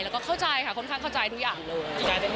แล้วก็เข้าใจค่ะค่อนข้างเข้าใจทุกอย่างเลย